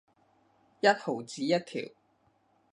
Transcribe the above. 一毫子一條